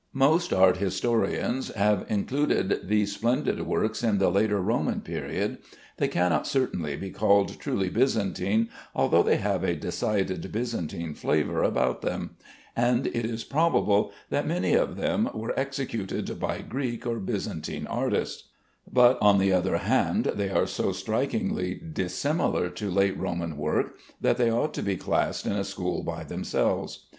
Most art historians have included these splendid works in the later Roman period. They cannot certainly be called truly Byzantine, although they have a decided Byzantine flavor about them, and it is probable that many of them were executed by Greek or Byzantine artists; but, on the other hand, they are so strikingly dissimilar to late Roman work that they ought to be classed in a school by themselves.